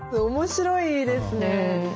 面白いですね。